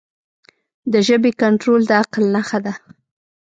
د ژبې کنټرول د عقل نښه ده.